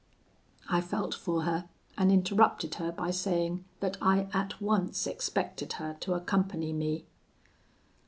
"I felt for her, and interrupted her by saying that I at once expected her to accompany me.